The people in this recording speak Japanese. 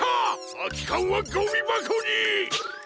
あきかんはゴミばこに！